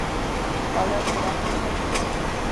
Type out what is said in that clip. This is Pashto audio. خوړل د رحمت اظهار دی